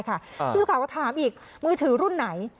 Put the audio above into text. พูดสิข่าวเราถามอีกมือถือรุ่นไหน